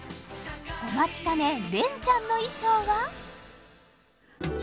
お待ちかね恋ちゃんの衣装は？